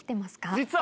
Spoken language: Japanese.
実は。